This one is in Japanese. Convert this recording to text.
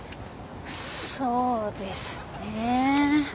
そうですね。